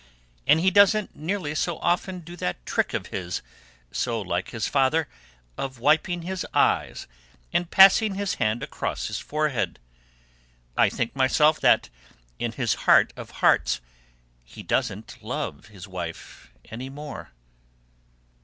"And he doesn't nearly so often do that trick of his, so like his father, of wiping his eyes and passing his hand across his forehead. I think myself that in his heart of hearts he doesn't love his wife any more."